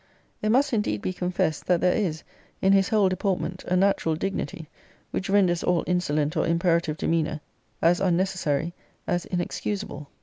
It must, indeed, be confessed, that there is, in his whole deportment, a natural dignity, which renders all insolent or imperative demeanour as unnecessary as inexcusable.